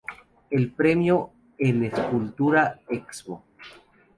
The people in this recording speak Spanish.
El premio en escultura "Excmo.